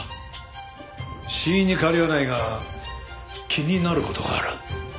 死因に変わりはないが気になる事がある。